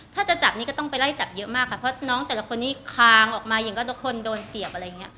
ถ้าจะจับนี่ก็ต้องไปไล่จับเยอะมากค่ะเพราะน้องแต่ละคนนี้คางออกมาอย่างก็ทุกคนโดนเสียบอะไรอย่างนี้